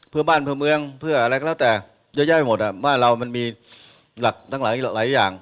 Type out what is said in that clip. เพื่อบ้านเพื่อเมืองเพื่ออะไรก็แล้วแต่เยอะแยะหมดบ้านเรามันมีหลักทั้งหลายอย่าง